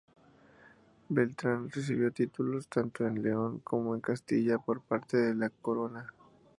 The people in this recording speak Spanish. Beltrán recibió títulos tanto en León como en Castilla por parte de la corona.